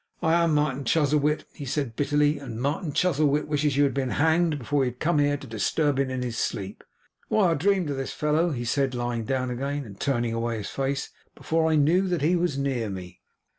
'I am Martin Chuzzlewit,' he said, bitterly: 'and Martin Chuzzlewit wishes you had been hanged, before you had come here to disturb him in his sleep. Why, I dreamed of this fellow!' he said, lying down again, and turning away his face, 'before I knew that he was near me!